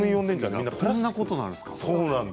こんなことになるんですか。